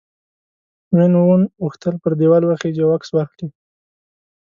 وین وون غوښتل پر دیوال وخیژي او عکس واخلي.